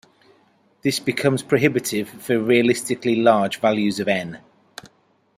This becomes prohibitive for realistically large values of "n".